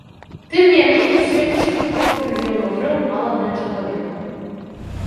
Тым не меней, сённяшніх трох трыльёнаў дрэў мала для чалавека.